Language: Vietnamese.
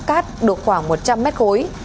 tàu khai thác cát được khoảng một trăm linh m khối